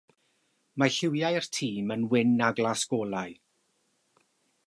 Mae lliwiau'r tîm yn wyn a glas golau.